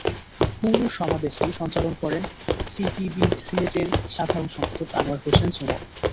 পুরো সমাবেশটি সঞ্চালন করেন সিপিবির সিলেটের সাধারণ সম্পাদক আনোয়ার হোসেন সুমন।